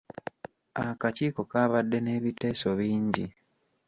Akakiiko kaabadde n'ebiteeso bingi.